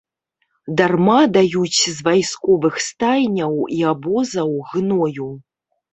Дарма даюць з вайсковых стайняў і абозаў гною.